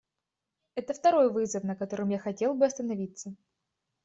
Это второй вызов, на котором я хотел бы остановиться.